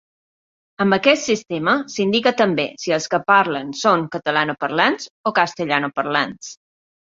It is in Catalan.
Amb aquest sistema s'indica també si els que parlen són catalanoparlants o castellanoparlants.